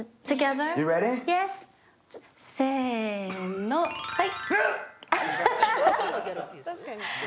せーの、はい。